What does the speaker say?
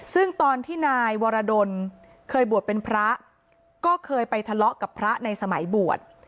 ซึ่งตอนที่นายวรดลเคยบวชเป็นพระก็เคยไปทะเลาะกับพระในสมัยบวช